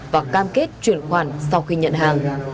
và cam kết chuyển khoản sau khi nhận hàng